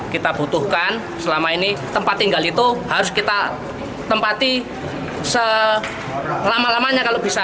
kita butuhkan selama ini tempat tinggal itu harus kita tempati selama lamanya kalau bisa